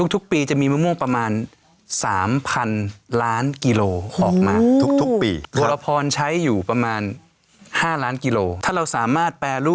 ทุกปีจะมีมะม่วงประมาณ๓๐๐๐ล้านกิโลออกมาทุกปี